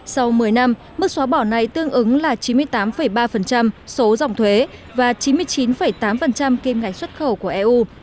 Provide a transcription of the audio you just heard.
sau một mươi năm mức xóa bỏ này tương ứng là chín mươi tám ba số dòng thuế và chín mươi chín tám kim ngạch xuất khẩu của eu